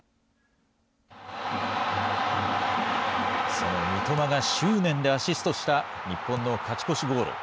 その三笘が執念でアシストした日本の勝ち越しゴール。